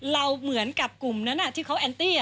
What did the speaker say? เราเหมือนกับกลุ่มนั้นที่เขาแอนตี้